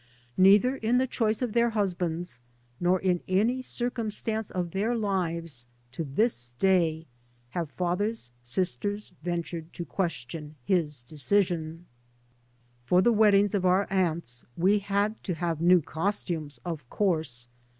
Neither in the choice of their husbands, nor in any circum stance of their lives, to this day, have father's sisters ventured to question his decision. For the weddings of our aunts we had to have new costumes, of course.